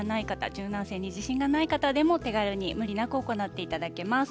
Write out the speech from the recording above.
柔軟性に自信がない方でも手軽に無理なく行っていただけます。